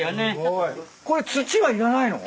これ土はいらないの？